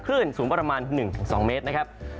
คลื่นสูงประมาณ๑๒เมตรนะครับ